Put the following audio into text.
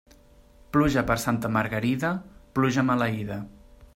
Pluja per Santa Margarida, pluja maleïda.